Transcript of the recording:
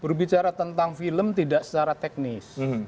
berbicara tentang film tidak secara teknis